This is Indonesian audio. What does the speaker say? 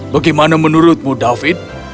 bagaimana menurutmu david